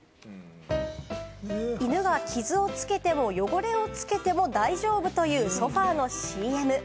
犬が傷をつけても汚れをつけても大丈夫というソファのＣＭ。